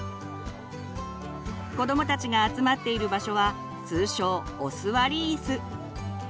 子どもたちが集まっている場所は通称「お座りイス」。